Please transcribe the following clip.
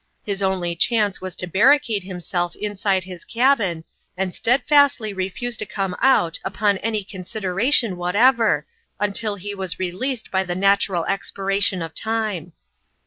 His only chance was to barricade himself inside his cabin, and stead fastly refuse to come out, upon any considera tion whatever, until he was released by the natural expiration of time.